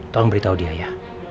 tolong beritahu dia ya